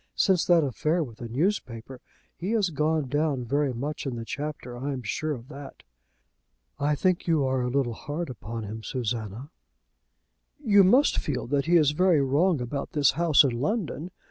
Since that affair with the newspaper, he has gone down very much in the Chapter. I am sure of that." "I think you are a little hard upon him, Susanna." "You must feel that he is very wrong about this house in London.